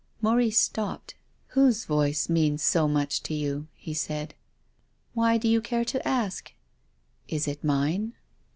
Maurice stopped. "Whose voice means so much to you?" he said. "Why do you care to ask?" " Is it mine